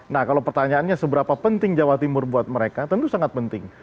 nah kalau pertanyaannya seberapa penting jawa timur buat mereka tentu sangat penting